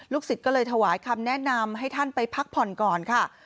สิทธิ์ก็เลยถวายคำแนะนำให้ท่านไปพักผ่อนก่อนค่ะ